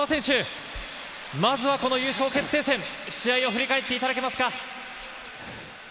まずは優勝決定戦、試合を振り返っていただけますか？